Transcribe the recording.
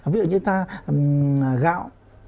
ví dụ như ta gạo